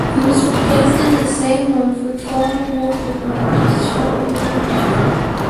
He was replaced in the same month with former Watford manager Sean Dyche.